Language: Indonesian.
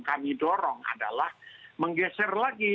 kami mendorong akan menggeser lagi